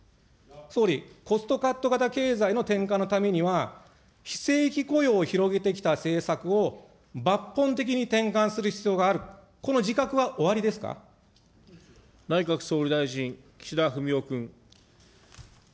総理、コストカット型経済の転換のためには、非正規雇用を広げてきた政策を抜本的に転換する必要があると、内閣総理大臣、岸田文雄君。